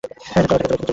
চলো, খেতে চলো।